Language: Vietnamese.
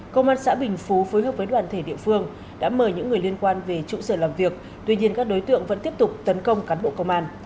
công an xã bình phú phối hợp với đoàn thể địa phương đã mời những người liên quan về trụ sở làm việc tuy nhiên các đối tượng vẫn tiếp tục tấn công cán bộ công an